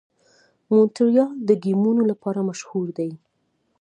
مونټریال د ګیمونو لپاره مشهور دی.